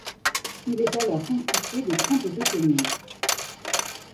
Il est alors constitué de trente-deux communes.